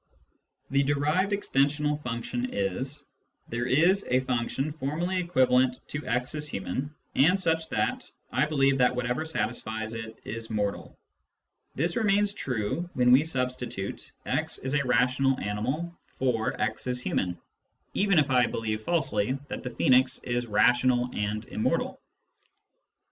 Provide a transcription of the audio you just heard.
The derived extensional function is :" There is a function formally equivalent to '* is human ' and such that I believe that whatever satisfies it is mortal." This remains true when we substitute " x is a rational animal " 1 88 Introduction to Mathematical Philosophy for " x is human," even if I believe falsely that the Phoenix is rational and immortal.